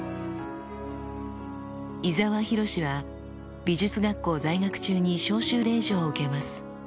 伊澤洋は美術学校在学中に召集令状を受けます。